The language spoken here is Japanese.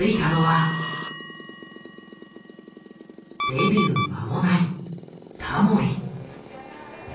デビュー間もないタモリ。